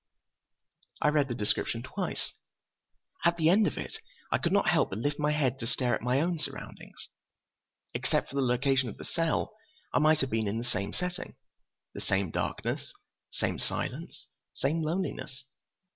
I read the description twice. At the end of it I could not help but lift my head to stare at my own surroundings. Except for the location of the cell, I might have been in they same setting. The same darkness, same silence, same loneliness.